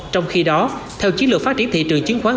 trong khi đó theo chiến lược phát triển thị trường chứng khoán